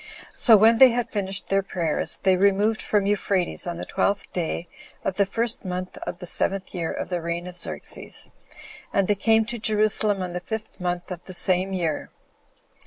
So when they had finished their prayers, they removed from Euphrates on the twelfth day of the first month of the seventh year of the reign of Xerxes, and they came to Jerusalem on the fifth month of the same year.